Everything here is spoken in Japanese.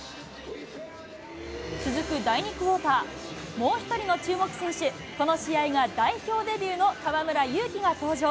続く第２クオーター、もう１人の注目選手、この試合が代表デビューの河村勇輝が登場。